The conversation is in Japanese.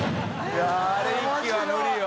いあれ一気は無理よ。